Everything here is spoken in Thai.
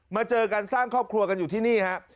เจอกันสร้างครอบครัวกันอยู่ที่นี่ฮะ